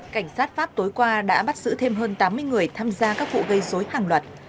cảnh sát pháp tối qua đã bắt giữ thêm hơn tám mươi người tham gia các vụ gây dối hàng loạt